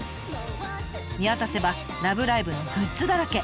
見渡せば「ラブライブ！」のグッズだらけ。